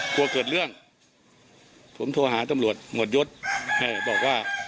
กลัวเกิดเรื่องผมโทรหาตำรวจหมวดยศให้บอกว่า